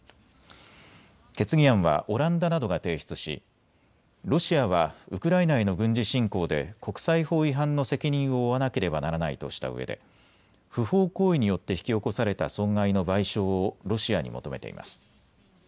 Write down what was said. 決議案はオランダなどが提出しロシアはウクライナへの軍事侵攻で国際法違反の責任を負わなければならないとしたうえで不法行為によって引き起こされた損害の賠償をロシアに求めています。